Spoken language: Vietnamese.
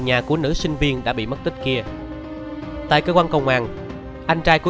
ngay sau đó chìm chì khoá được mang đi thử